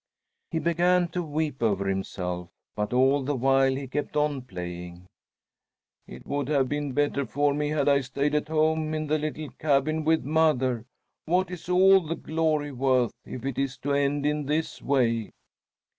He began to weep over himself, but all the while he kept on playing. "It would have been better for me had I stayed at home in the little cabin with mother. What is all the glory worth if it is to end in this way?"